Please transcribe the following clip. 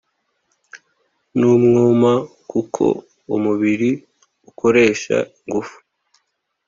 n’umwuma kuko umubiri ukoresha ingufu